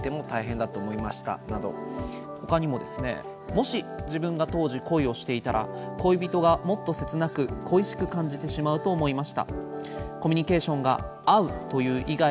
「もし自分が当時恋をしていたら恋人がもっと切なく恋しく感じてしまうと思いました」。